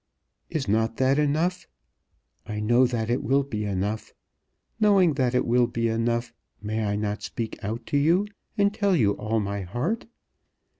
Is not that enough? I know that it will be enough. Knowing that it will be enough, may I not speak out to you, and tell you all my heart?